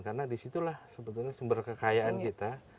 karena disitulah sebetulnya sumber kekayaan kita